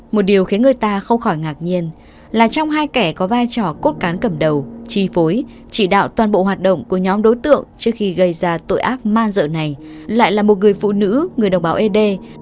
một điều khiến người ta không khỏi ngạc nhiên là trong hai kẻ có vai trò cốt cán cầm đầu chi phối chỉ đạo toàn bộ hoạt động của nhóm đối tượng trước khi gây ra tội ác man dợ này lại là một người phụ nữ người đồng bào ed